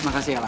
makasih ya lah